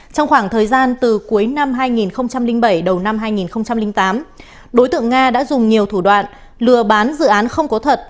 trong khoảng thời gian từ cuối năm hai nghìn bảy đầu năm hai nghìn tám đối tượng nga đã dùng nhiều thủ đoạn lừa bán dự án không có thật